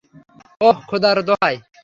অহ, খোদার দোহাই!